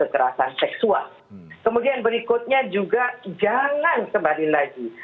kemudian berikutnya juga jangan kembali lagi